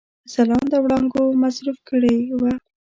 ځلانده وړانګو مصروف کړي وه.